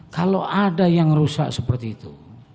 kalau ada yang rusak seperti itu